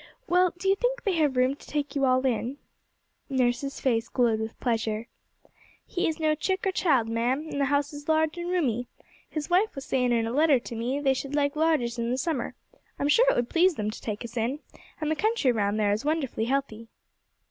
Well, do you think they have room to take you all in?' Nurse's face glowed with pleasure. 'He has no chick or child, ma'am, and the house is large and roomy; his wife was saying in a letter to me they should like lodgers in the summer. I'm sure it would please them to take us in; and the country round there is wonderfully healthy.'